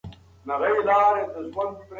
هغه جلا جلا یادښتونه ساتل.